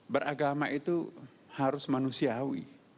beragama itu harus manusiawi